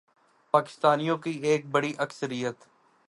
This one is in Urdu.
پاکستانیوں کی ایک بڑی اکثریت